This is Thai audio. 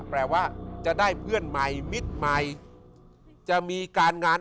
แปลว่าจะได้เพื่อนใหม่มิตรใหม่จะมีการงาน